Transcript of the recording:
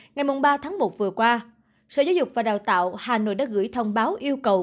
ngày ba tháng một vừa qua sở giáo dục và đào tạo hà nội đã gửi thông báo yêu cầu